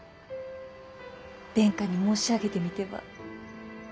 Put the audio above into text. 殿下に申し上げてみては？